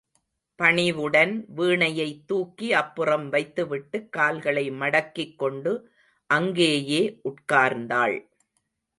பணிவுடன், வீணையைத் தூக்கி அப்புறம் வைத்து விட்டுக் கால்களை மடக்கிக் கொண்டு அங்கேயே உட்கார்ந்தாள்.